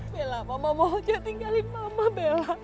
bella mama mohon jatuh tinggalin mama bella